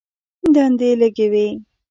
دندې لږې وې.